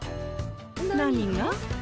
何が？